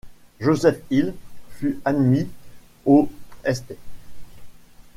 Joseph Hill fut admis au St.